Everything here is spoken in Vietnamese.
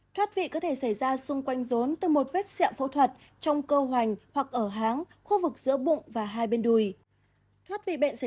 thoát vị có thể xảy ra xung quanh rốn từ một vết xẹo phẫu thuật trong câu hoành hoặc ở háng khu vực giữa bụng và hai bên đùi